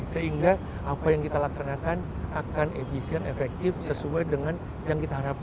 sehingga apa yang kita laksanakan akan efisien efektif sesuai dengan yang kita harapkan